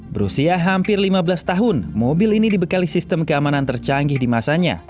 berusia hampir lima belas tahun mobil ini dibekali sistem keamanan tercanggih di masanya